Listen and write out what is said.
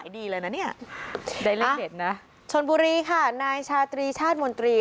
ดีเลยนะเนี่ยได้เลขเด็ดนะชนบุรีค่ะนายชาตรีชาติมนตรี